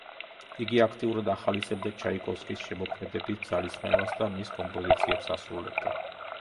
იგი აქტიურად ახალისებდა ჩაიკოვსკის შემოქმედებით ძალისხმევას და მისი კომპოზიციებს ასრულებდა.